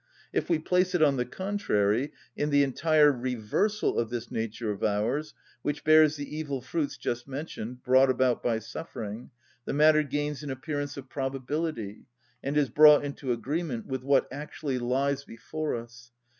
If we place it, on the contrary, in the entire reversal of this nature of ours (which bears the evil fruits just mentioned) brought about by suffering, the matter gains an appearance of probability and is brought into agreement with what actually lies before us.